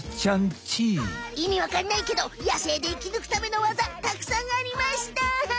いみわかんないけど野生で生きぬくためのわざたくさんありました！